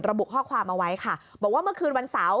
ระบุข้อความเอาไว้ค่ะบอกว่าเมื่อคืนวันเสาร์